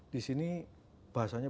di sini bahasanya